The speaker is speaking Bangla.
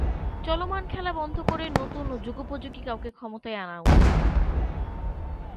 চলমান খেলা বন্ধ করে নতুন ও যুগোপযোগী কাউকে ক্ষমতায় আনা উচিত।